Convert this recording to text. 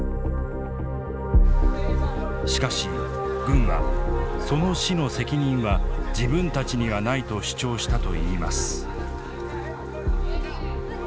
しかし軍はその死の責任は自分たちにはないと主張したといいます。